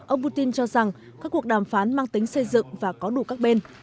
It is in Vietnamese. ông putin cho rằng các cuộc đàm phán mang tính xây dựng và có đủ các bên